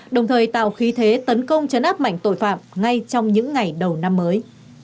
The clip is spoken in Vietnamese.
đồng thời tạo khí thế tấn công chấn áp mạnh tội phạm ngay trong những ngày đầu năm mới